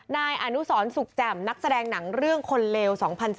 นายอนุสรสุขแจ่มนักแสดงหนังเรื่องคนเลว๒๐๑๘